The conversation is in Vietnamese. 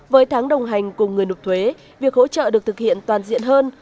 với tháng đồng hành cùng người nộp thuế việc hỗ trợ được thực hiện toàn diện hơn